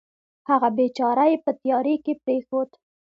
هغه بېچاره یې په تیارې کې پرېښود.